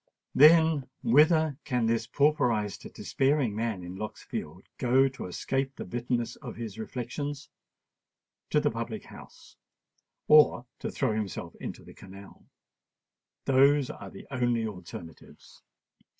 Then, whither can this pauperised despairing man in Lock's Fields go to escape the bitterness of his reflections? To the public house—or to throw himself into the canal:—those are the only alternatives!